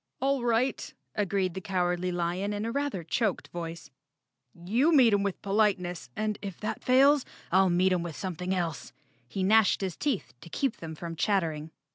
"All right," agreed the Cowardly Lion in a rather choked voice, "you meet 'em with politeness, and if that fails, I'll meet 'em with something else." He gnashed his teeth to keep them from chattering.